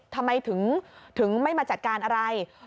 ทำไมถึงไม่มาจัดการอะไร